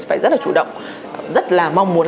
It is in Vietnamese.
phải rất là chủ động rất là mong muốn